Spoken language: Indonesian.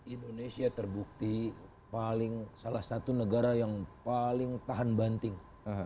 indonesia terbukti salah satu negara yang paling tahan banting